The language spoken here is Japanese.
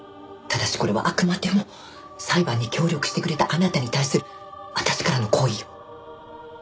ただしこれはあくまでも裁判に協力してくれたあなたに対する私からの厚意よ。